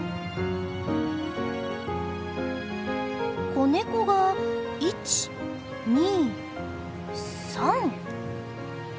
子ネコが１２３。